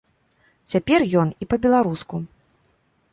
Цяпер ён і па-беларуску!